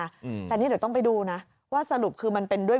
คุณผู้ชมฟังช่างปอลเล่าคุณผู้ชมฟังช่างปอลเล่าคุณผู้ชมฟังช่างปอลเล่า